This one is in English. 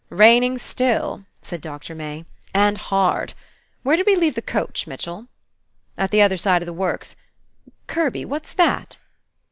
"Raining, still," said Doctor May, "and hard. Where did we leave the coach, Mitchell?" "At the other side of the works. Kirby, what's that?"